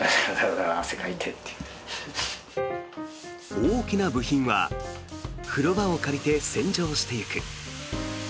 大きな部品は風呂場を借りて洗浄していく。